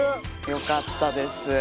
よかったです。